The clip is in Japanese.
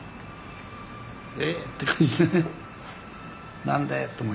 え⁉って感じでね